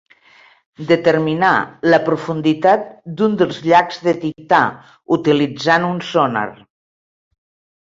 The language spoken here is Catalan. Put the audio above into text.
Determinar la profunditat d'un dels llacs de Tità, utilitzant un sonar.